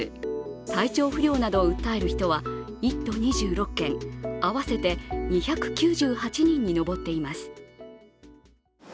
体調不良などを訴える人は１都２６県合わせて２９８人に上っています。